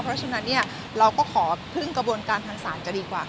เพราะฉะนั้นเนี่ยเราก็ขอพึ่งกระบวนการทางศาลจะดีกว่า